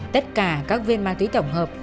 tất cả các viên ma túy tổng hợp